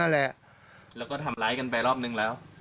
แหละแล้วก็ทำร้ายกันไปรอบนึงแล้ว